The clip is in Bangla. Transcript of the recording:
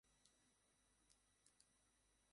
বাবা ছেলে দুজনেই একসাথে কেক খেতে পারবেন।